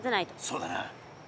そうだな。